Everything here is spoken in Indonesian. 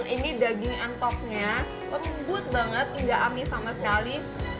ini daging antoknya lembut banget tidak amis sama sekali